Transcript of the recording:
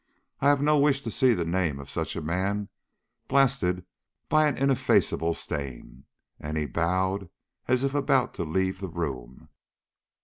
I have no wish to see the name of such a man blasted by an ineffaceable stain." And he bowed as if about to leave the room.